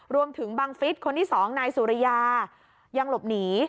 บังฟิศคนที่๒นายสุริยายังหลบหนี